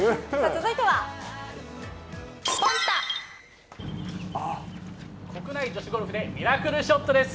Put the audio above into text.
若いんだか国内女子ゴルフでミラクルショットです。